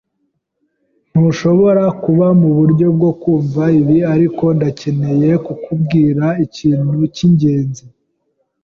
Ntushobora kuba muburyo bwo kumva ibi, ariko ndakeneye kukubwira ikintu cyingenzi.